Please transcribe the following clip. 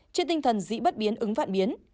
trên tinh thần dĩ bất biến ứng vạn biến